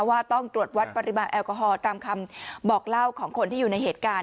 ว่าต้องตรวจวัดปริมาณแอลกอฮอลตามคำบอกเล่าของคนที่อยู่ในเหตุการณ์